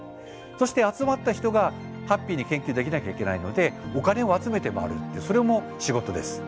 そして集まった人がハッピーに研究できなきゃいけないのでお金を集めて回るってそれも仕事です。